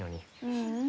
ううん。